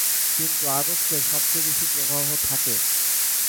কিন্তু আগস্টে সবচেয়ে বেশি প্রবাহ থাকে।